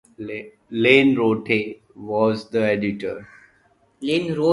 Lane Roathe was the editor.